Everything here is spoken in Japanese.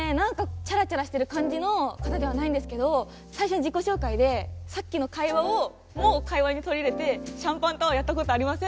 チャラチャラしてる感じの方ではないんですけど最初の自己紹介でさっきの会話をもう会話に取り入れて「シャンパンタワーやった事ありません」